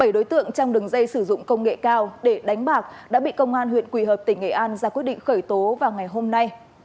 bảy đối tượng trong đường dây sử dụng công nghệ cao để đánh bạc đã bị công an huyện quỳ hợp tỉnh nghệ an ra quyết định khởi tố vào ngày hôm nay